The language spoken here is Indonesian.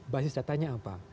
basis datanya apa